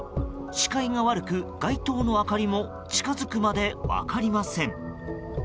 視界が悪く街灯の明かりも近づくまで分かりません。